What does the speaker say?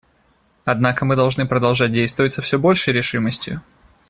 Однако мы должны продолжать действовать со все большей решимостью.